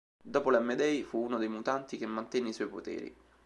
Dopo l'M-Day fu uno dei mutanti che mantenne i suoi poteri.